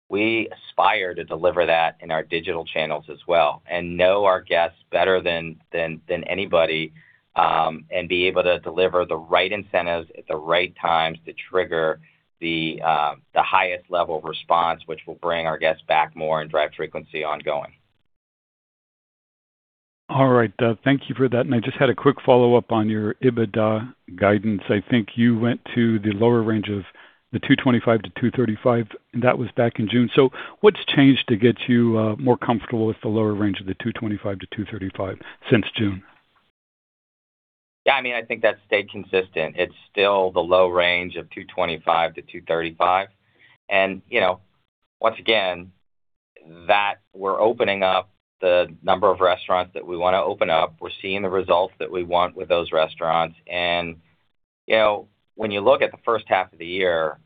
We aspire to deliver that in our digital channels as well, and know our guests better than anybody, and be able to deliver the right incentives at the right times to trigger the highest level of response, which will bring our guests back more and drive frequency ongoing. All right. Thank you for that. I just had a quick follow-up on your EBITDA guidance. I think you went to the lower range of the $225-$235, and that was back in June. What's changed to get you more comfortable with the lower range of the $225-$235 since June? I think that's stayed consistent. It's still the low range of $225-$235. Once again, we're opening up the number of restaurants that we want to open up. We're seeing the results that we want with those restaurants. When you look at the first half of the year,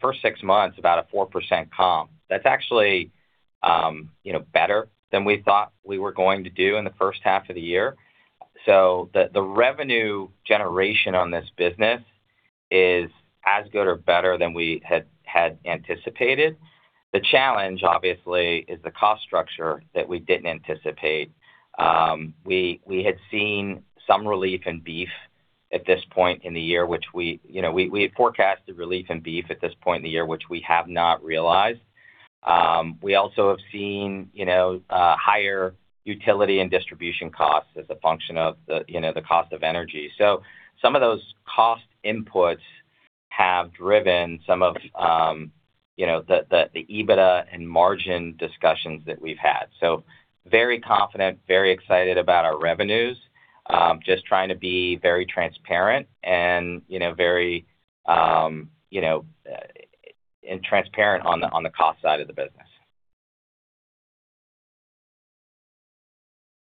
first six months, about a 4% comp, that's actually better than we thought we were going to do in the first half of the year. The revenue generation on this business Is as good or better than we had anticipated. The challenge, obviously, is the cost structure that we didn't anticipate. We had seen some relief in beef at this point in the year, we had forecasted relief in beef at this point in the year, which we have not realized. We also have seen higher utility and distribution costs as a function of the cost of energy. Some of those cost inputs have driven some of the EBITDA and margin discussions that we've had. Very confident, very excited about our revenues. Just trying to be very transparent on the cost side of the business.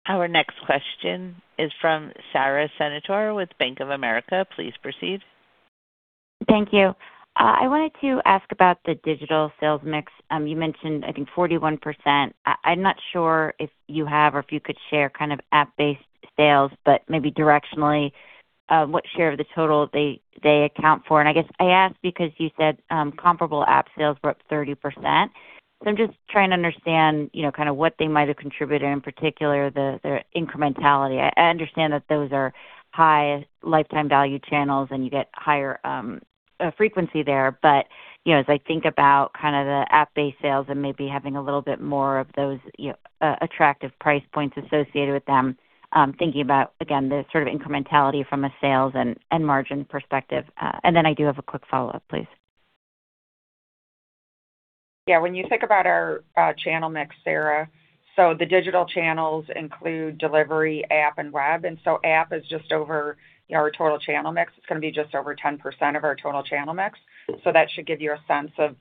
Our next question is from Sara Senatore with Bank of America. Please proceed. Thank you. I wanted to ask about the digital sales mix. You mentioned, I think, 41%. I'm not sure if you have or if you could share app-based sales, but maybe directionally, what share of the total they account for? I guess I ask because you said comparable app sales were up 30%. I'm just trying to understand, what they might have contributed, in particular, their incrementality. I understand that those are high lifetime value channels, and you get higher frequency there. As I think about the app-based sales and maybe having a little bit more of those attractive price points associated with them, thinking about, again, the sort of incrementality from a sales and margin perspective. Then I do have a quick follow-up, please. Yeah. When you think about our channel mix, Sara, the digital channels include delivery, app, and web. App is just over our total channel mix. It's going to be just over 10% of our total channel mix. That should give you a sense of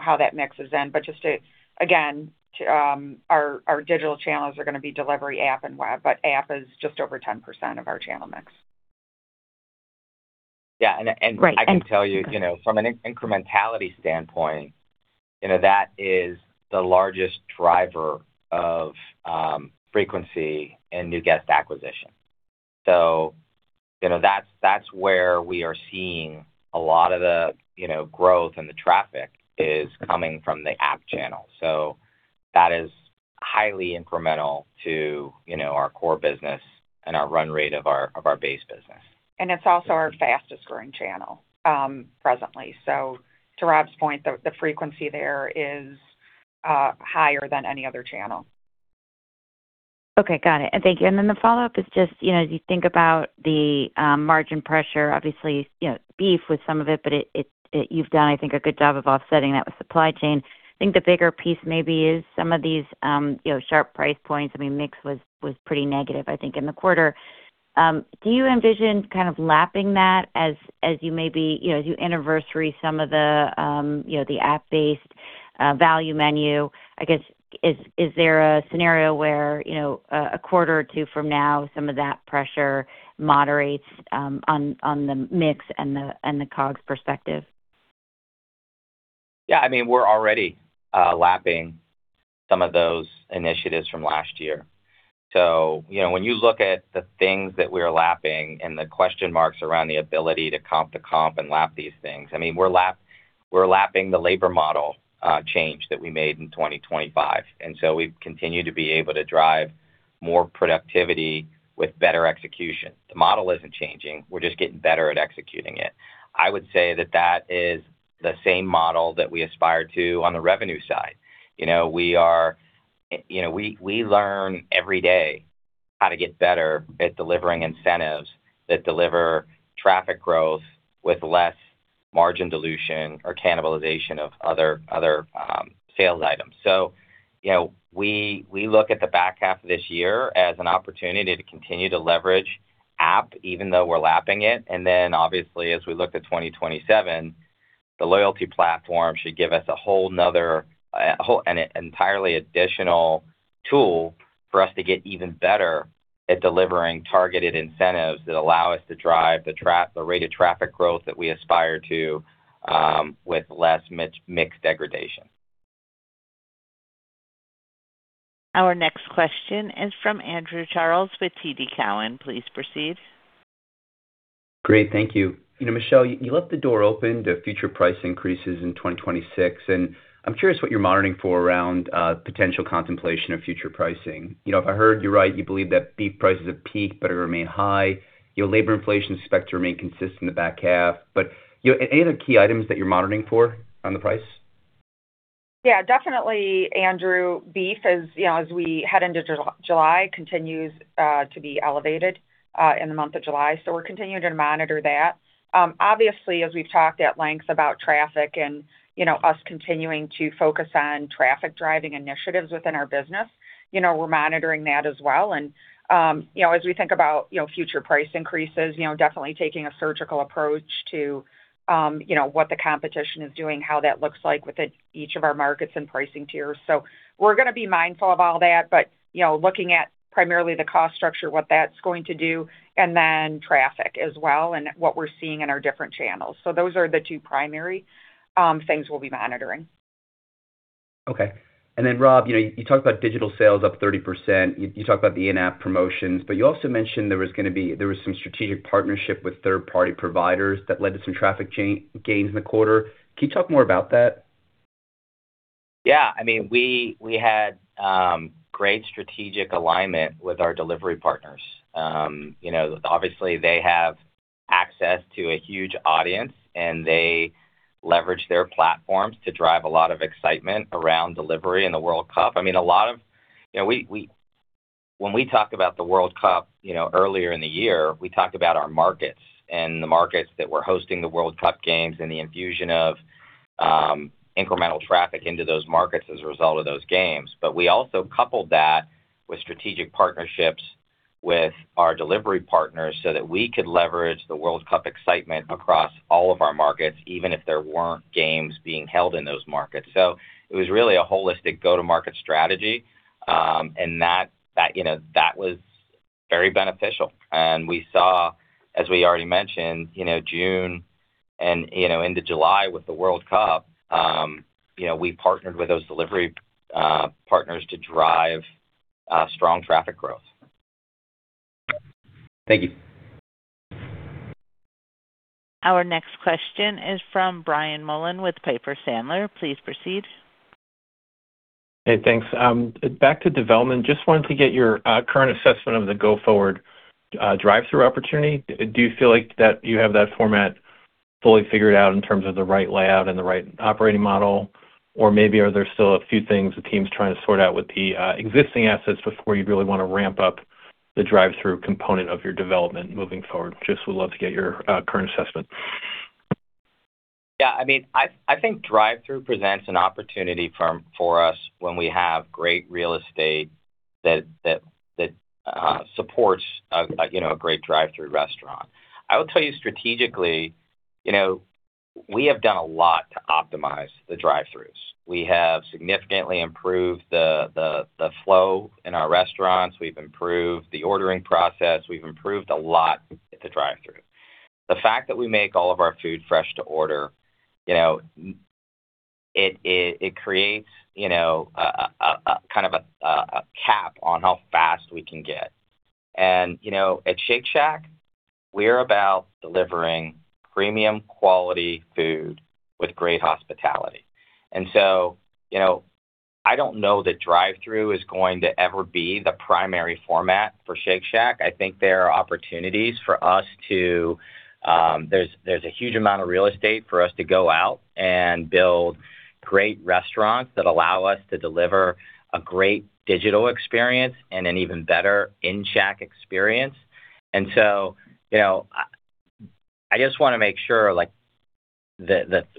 how that mix is in. Just to, again, our digital channels are going to be delivery, app, and web, but app is just over 10% of our channel mix. Yeah. Great. I can tell you. Okay. from an incrementality standpoint, that is the largest driver of frequency and new guest acquisition. That's where we are seeing a lot of the growth and the traffic is coming from the app channel. That is highly incremental to our core business and our run rate of our base business. It's also our fastest growing channel presently. To Rob's point, the frequency there is higher than any other channel. Okay. Got it. Thank you. Then the follow-up is just, as you think about the margin pressure, obviously, beef with some of it, but you've done, I think, a good job of offsetting that with supply chain. I think the bigger piece maybe is some of these sharp price points. I mean, mix was pretty negative, I think, in the quarter. Do you envision kind of lapping that as you maybe anniversary some of the app-based value menu? I guess, is there a scenario where, a quarter or two from now, some of that pressure moderates on the mix and the COGS perspective? We're already lapping some of those initiatives from last year. When you look at the things that we're lapping and the question marks around the ability to comp the comp and lap these things, we're lapping the labor model change that we made in 2025; we've continued to be able to drive more productivity with better execution. The model isn't changing. We're just getting better at executing it. I would say that that is the same model that we aspire to on the revenue side. We learn every day how to get better at delivering incentives that deliver traffic growth with less margin dilution or cannibalization of other sales items. We look at the back half of this year as an opportunity to continue to leverage app even though we're lapping it. Obviously, as we look to 2027, the loyalty platform should give us an entirely additional tool for us to get even better at delivering targeted incentives that allow us to drive the rate of traffic growth that we aspire to with less mixed degradation. Our next question is from Andrew Charles with TD Cowen. Please proceed. Great. Thank you. Michelle, you left the door open to future price increases in 2026, I'm curious what you're monitoring for around potential contemplation of future pricing. If I heard you right, you believe that beef prices have peaked but are remain high. Labor inflation is expected to remain consistent the back half. Any other key items that you're monitoring for on the price? Definitely, Andrew. Beef, as we head into July, continues to be elevated in the month of July; we're continuing to monitor that. Obviously, as we've talked at length about traffic and us continuing to focus on traffic-driving initiatives within our business, we're monitoring that as well. As we think about future price increases, definitely taking a surgical approach to what the competition is doing, how that looks like within each of our markets and pricing tiers. We're going to be mindful of all that, but looking at primarily the cost structure, what that's going to do, and then traffic as well, and what we're seeing in our different channels. Those are the two primary things we'll be monitoring. Okay. Then Rob, you talked about digital sales up 30%, you talked about the in-app promotions, you also mentioned there was some strategic partnership with third-party providers that led to some traffic gains in the quarter. Can you talk more about that? We had great strategic alignment with our delivery partners. Obviously, they have access to a huge audience; they leverage their platforms to drive a lot of excitement around delivery and the World Cup. When we talked about the World Cup earlier in the year, we talked about our markets and the markets that were hosting the World Cup games and the infusion of incremental traffic into those markets as a result of those games. We also coupled that with strategic partnerships with our delivery partners so that we could leverage the World Cup excitement across all of our markets, even if there weren't games being held in those markets. It was really a holistic go-to-market strategy, that was very beneficial. We saw, as we already mentioned, June and into July with the World Cup; we partnered with those delivery partners to drive strong traffic growth. Thank you. Our next question is from Brian Mullan with Piper Sandler. Please proceed. Hey, thanks. Back to development, just wanted to get your current assessment of the go-forward drive-thru opportunity. Do you feel like you have that format fully figured out in terms of the right layout and the right operating model? Or maybe are there still a few things the team's trying to sort out with the existing assets before you'd really want to ramp up the drive-thru component of your development moving forward? Just would love to get your current assessment. Yeah. I think drive-thru presents an opportunity for us when we have great real estate that supports a great drive-thru restaurant. I will tell you strategically, we have done a lot to optimize the drive-thrus. We have significantly improved the flow in our restaurants. We've improved the ordering process. We've improved a lot at the drive-thru. The fact that we make all of our food fresh to order, it creates a cap on how fast we can get. At Shake Shack, we're about delivering premium quality food with great hospitality. I don't know that drive-thru is going to ever be the primary format for Shake Shack. I think there's a huge amount of real estate for us to go out and build great restaurants that allow us to deliver a great digital experience and an even better in-Shack experience. I just want to make sure that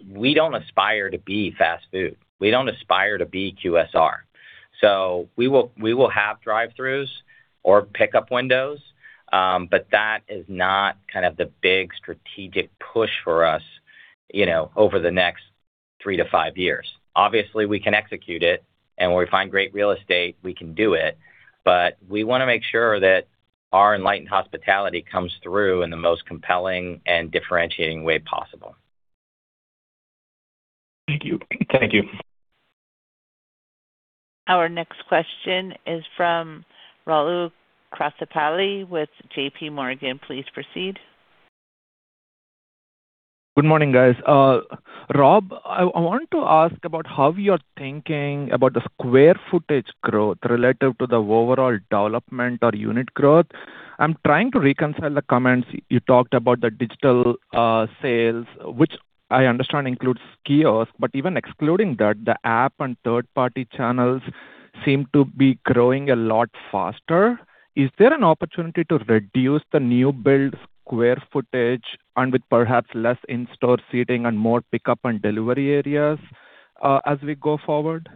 we don't aspire to be fast food. We don't aspire to be QSR. We will have drive-thrus or pick-up windows, but that is not the big strategic push for us over the next three to five years. We can execute it, and when we find great real estate, we can do it, but we want to make sure that our enlightened hospitality comes through in the most compelling and differentiating way possible. Thank you. Our next question is from Rahul Krotthapalli with JPMorgan. Please proceed. Good morning, guys. Rob, I want to ask about how you're thinking about the square footage growth relative to the overall development or unit growth. I'm trying to reconcile the comments you talked about the digital sales, which I understand includes kiosks, but even excluding that, the app and third-party channels seem to be growing a lot faster. Is there an opportunity to reduce the new build square footage and with perhaps less in-store seating and more pick-up and delivery areas as we go forward?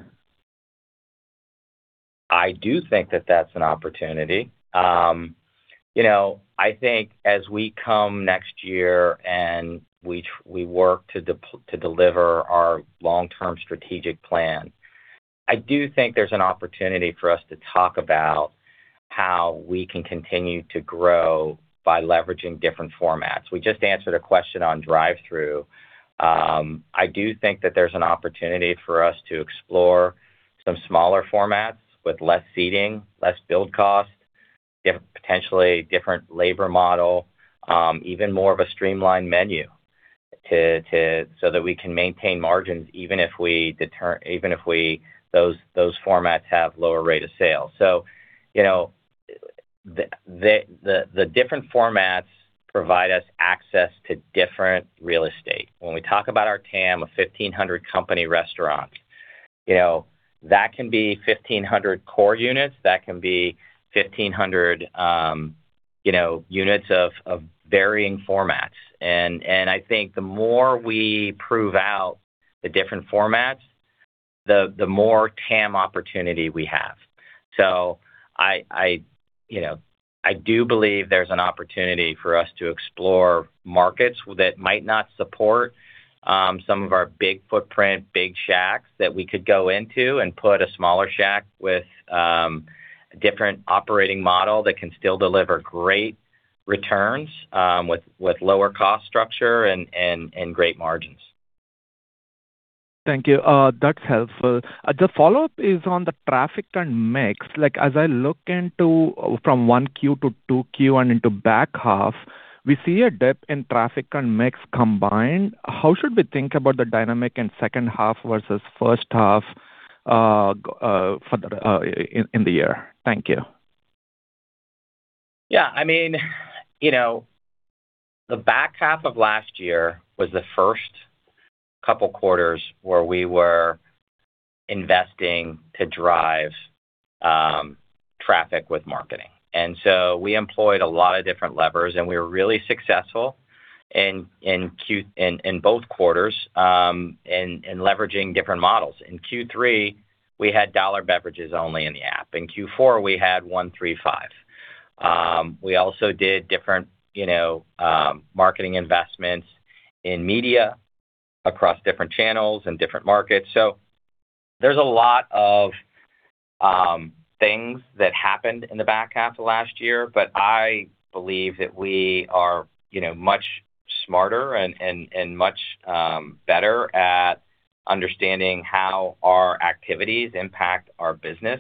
I do think that that's an opportunity. I think as we come next year and we work to deliver our long-term strategic plan, I do think there's an opportunity for us to talk about how we can continue to grow by leveraging different formats. We just answered a question on drive-thru. I do think that there's an opportunity for us to explore some smaller formats with less seating, less build cost, potentially different labor model, even more of a streamlined menu so that we can maintain margins, even if those formats have lower rate of sales. The different formats provide us access to different real estate. When we talk about our TAM of 1,500 company restaurants, that can be 1,500 core units, that can be 1,500 units of varying formats. I think the more we prove out the different formats, the more TAM opportunity we have. I do believe there's an opportunity for us to explore markets that might not support some of our big-footprint, big Shacks that we could go into and put a smaller Shack with a different operating model that can still deliver great returns with lower cost structure and great margins. Thank you. That's helpful. The follow-up is on the traffic and mix. As I look into from Q1-Q2 and into back half, we see a dip in traffic and mix combined. How should we think about the dynamic in second half versus first half in the year? Thank you. The back half of last year was the first couple quarters where we were investing to drive traffic with marketing. We employed a lot of different levers, and we were really successful in both quarters in leveraging different models. In Q3, we had $ beverages only in the app. In Q4, we had 135. We also did different marketing investments in media across different channels and different markets. There's a lot of things that happened in the back half of last year, but I believe that we are much smarter and much better at understanding how our activities impact our business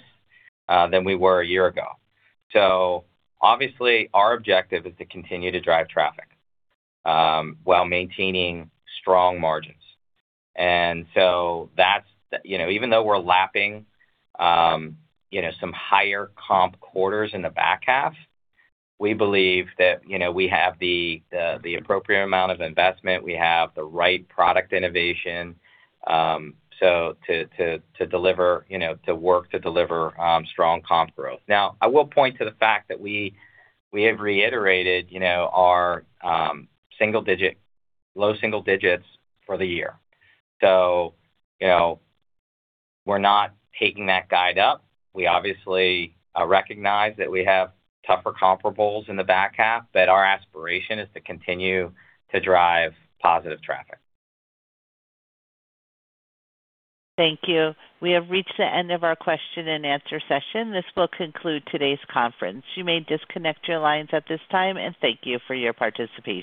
than we were a year ago. Obviously, our objective is to continue to drive traffic while maintaining strong margins. Even though we're lapping some higher comp quarters in the back half, we believe that we have the appropriate amount of investment. We have the right product innovation to work to deliver strong comp growth. I will point to the fact that we have reiterated our low single digits for the year. We're not taking that guide up. We obviously recognize that we have tougher comparables in the back half; our aspiration is to continue to drive positive traffic. Thank you. We have reached the end of our question and answer session. This will conclude today's conference. You may disconnect your lines at this time, thank you for your participation.